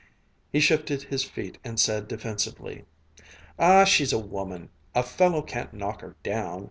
He shifted his feet and said defensively: "Aw, she's a woman. A fellow can't knock her down.